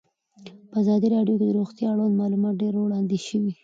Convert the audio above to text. په ازادي راډیو کې د روغتیا اړوند معلومات ډېر وړاندې شوي.